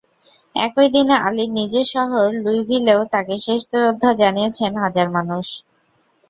একই দিনে আলীর নিজের শহর লুইভিলেও তাঁকে শেষ শ্রদ্ধা জানিয়েছেন হাজারো মানুষ।